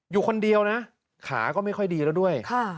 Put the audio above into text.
อยู่คนเดียวนะขาก็ไม่ค่อยดีแล้วด้วย